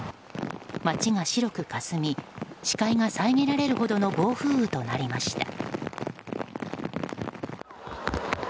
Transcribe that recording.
街が白くかすみ視界が遮られるほどの暴風雨となりました。